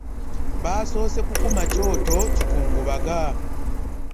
Basoose kukuma kyoto kikungubaga.